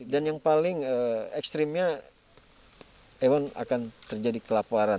dan yang paling ekstrimnya ewan akan terjadi kelaparan